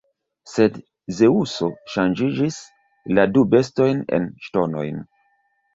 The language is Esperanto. Sed Zeŭso ŝanĝiĝis la du bestojn en ŝtonojn.